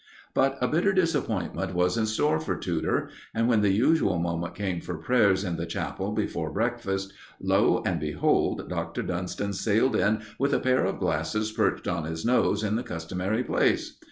But a bitter disappointment was in store for Tudor, and when the usual moment came for prayers in the chapel before breakfast, lo and behold, Dr. Dunston sailed in with a pair of glasses perched on his nose in the customary place!